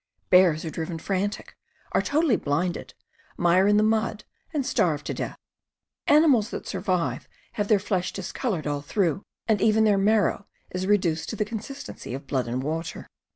Bears are driven frantic, are totally blinded, mire in the mud, and starve to death. Animals that survive have their flesh discolored all through, and even their marrow is reduced to the consistency of blood and water.